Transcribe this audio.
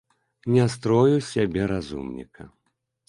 Не строю з сябе разумніка.